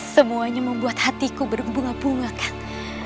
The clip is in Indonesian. semuanya membuat hatiku berbunga bunga kan